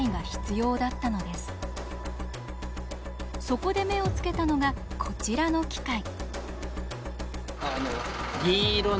そこで目をつけたのがこちらの機械。